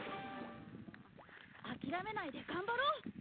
諦めないで頑張ろう！